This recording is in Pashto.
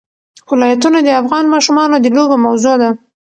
ولایتونه د افغان ماشومانو د لوبو موضوع ده.